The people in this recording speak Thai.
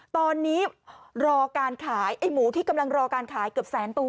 ตอนนี้รอการขายไอ้หมูที่กำลังรอการขายเกือบแสนตัว